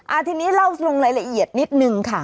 ทีนี้เล่าลงรายละเอียดนิดนึงค่ะ